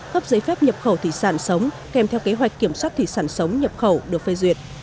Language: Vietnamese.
cấp giấy phép nhập khẩu thủy sản sống kèm theo kế hoạch kiểm soát thủy sản sống nhập khẩu được phê duyệt